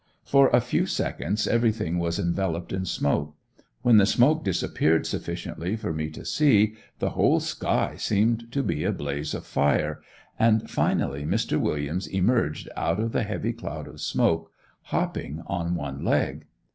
For a few seconds everything was enveloped in smoke; when the smoke disappeared sufficiently for me to see, the whole sky seemed to be a blaze of fire, and finally Mr. Williams emerged out of the heavy cloud of smoke hopping on one leg.